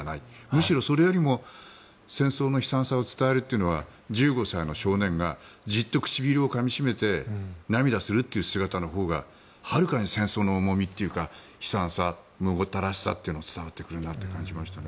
むしろ、それよりも戦争の悲惨さを伝えるというのは１５歳の少年がじっと唇をかみ締めて涙するという姿のほうがはるかに戦争の重みというか悲惨さ、むごたらしさが伝わってくるなという感じがしました。